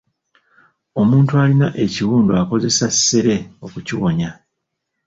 Omuntu alina ekiwundu akozesa ssere okukiwonya.